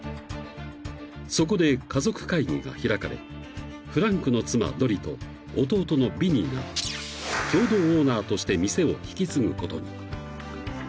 ［そこで家族会議が開かれフランクの妻ドリと弟のヴィニーが共同オーナーとして店を引き継ぐことに］